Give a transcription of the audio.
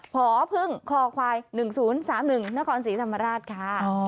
พพึ่งคควาย๑๐๓๑นครศรีธรรมราชค่ะ